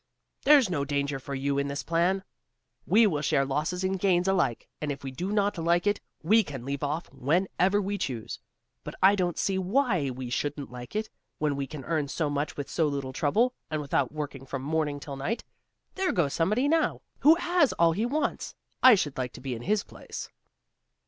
"There's no danger for you in this plan. We will share losses and gains alike, and if we do not like it we can leave off when ever we choose. But I don't see why we shouldn't like it, when we can earn so much with so little trouble, and without working from morning till night. There goes somebody now, who has all he wants, I should like to be in his place!"